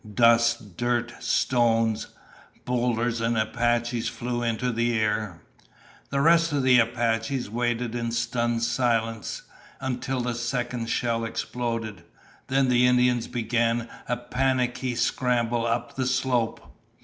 Dust, dirt, stones, boulders, and Apaches flew into the air. The rest of the Apaches waited in stunned silence until the second shell exploded. Then the Indians began a panicky scramble up the slope.